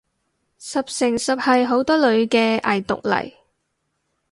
十成十係好多女嘅偽毒嚟